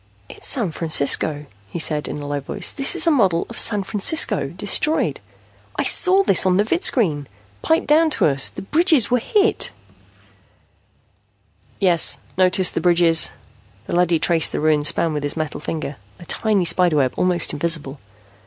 "It's San Francisco," he said in a low voice. "This is a model of San Francisco, destroyed. I saw this on the vidscreen, piped down to us. The bridges were hit " "Yes, notice the bridges." The leady traced the ruined span with his metal finger, a tiny spider web, almost invisible.